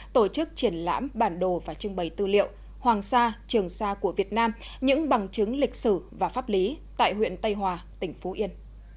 tổ chức triển lãm bản đồ và trưng bày tư liệu hoàng sa trường sa của việt nam những bằng chứng lịch sử và pháp lý tại huyện tây hòa tỉnh phú yên